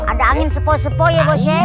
ada angin sepoi sepoi ya bos